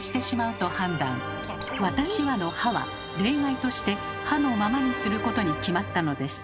「私は」の「は」は例外として「は」のままにすることに決まったのです。